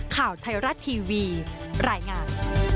ข่าวไทยรัฐทีวีรายงาน